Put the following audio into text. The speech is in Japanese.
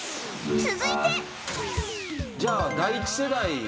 じゃあ第１世代？